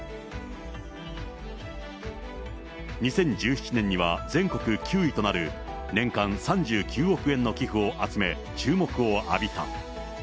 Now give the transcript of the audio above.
２０１７年には全国９位となる、年間３９億円の寄付を集め、注目を浴びた。